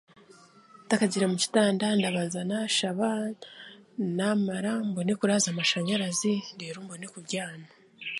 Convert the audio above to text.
Ntakagiire mu kitanda ndabanza naashaba, naamara ndikuraaza amashanyarazi reero mbone kubyama.